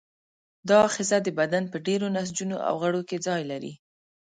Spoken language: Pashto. دا آخذه د بدن په ډېری نسجونو او غړو کې ځای لري.